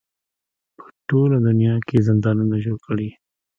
په ټوله دنیا کې یې زندانونه جوړ کړي.